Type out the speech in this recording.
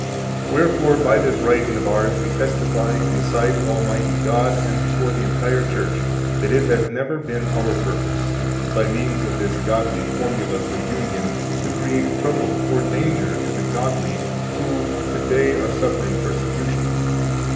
Wherefore, by this writing of ours, we testify in the sight of Almighty God and before the entire Church that it has never been our purpose, by means of this godly formula for union to create trouble or danger to the godly who to day are suffering persecution.